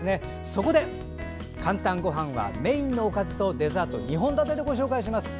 そこで、「かんたんごはん」はメインのおかずとデザート２本立てでご紹介します。